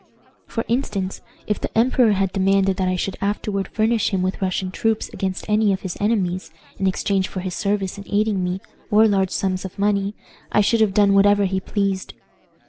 "For instance, if the emperor had demanded that I should afterward furnish him with Russian troops against any of his enemies, in exchange for his service in aiding me, or large sums of money, I should have done whatever he pleased.